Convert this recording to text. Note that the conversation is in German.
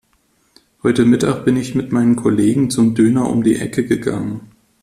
Heute Mittag bin ich mit meinen Kollegen zum Döner um die Ecke gegangen.